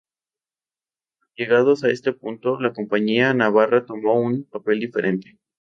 Llegados a este punto, la compañía navarra tomó un papel diferente.